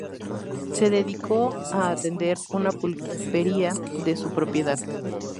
Se dedicó a atender una pulpería de su propiedad.